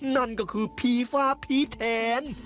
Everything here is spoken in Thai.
นั่นก็คือภีร์ฟ้าภีร์แถน